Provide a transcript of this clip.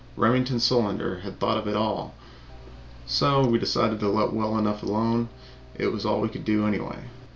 Remington Solander had thought of all that. So we decided to let well enough alone it was all we could do anyway.